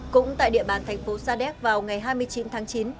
cũng tại địa bàn thành phố sa đéc vào ngày hai mươi chín tháng chín